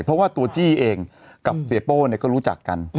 เพราะว่าตัวจี้เองกับเสียโป้ก็รู้จักกัน